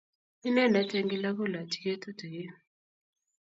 inendet eng kila kolochigei tutikiin